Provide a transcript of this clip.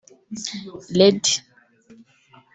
Lady